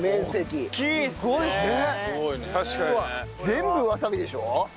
全部わさびでしょ？